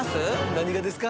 何がですか？